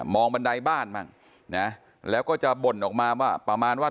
องบันไดบ้านบ้างนะแล้วก็จะบ่นออกมาว่าประมาณว่า